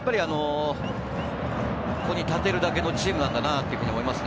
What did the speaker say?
ここに立てるだけのチームなんだなと思います。